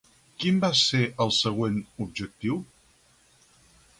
Quin va ser el seu següent objectiu?